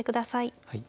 はい。